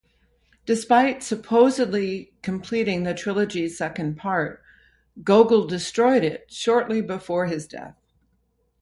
Despite supposedly completing the trilogy's second part, Gogol destroyed it shortly before his death.